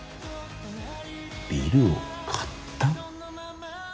ビルを買った？